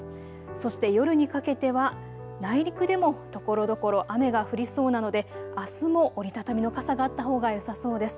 そして夜にかけては内陸でもところどころ雨が降りそうなので、あすも折り畳みの傘があったほうがよさそうです。